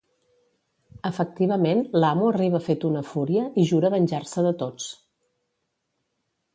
Efectivament l'amo arriba fet una fúria i jura venjar-se de tots.